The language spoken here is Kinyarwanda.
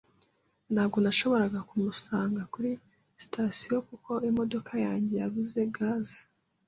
Ntabwo nashoboraga kumusanga kuri sitasiyo kuko imodoka yanjye yabuze gaze.